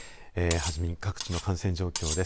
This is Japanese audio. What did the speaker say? はじめに各地の感染状況です。